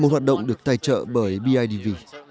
hoạt động được tài trợ bởi bidv